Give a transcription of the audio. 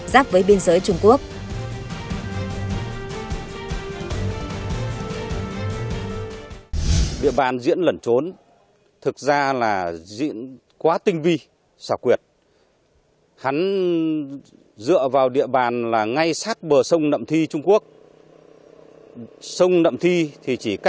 giáp với biên giới trung quốc